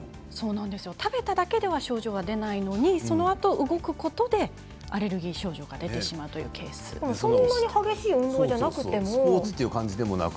食べただけでは症状が出ないのにそのあと動くことでアレルギー症状が出てしまうというケースがあるということなんです。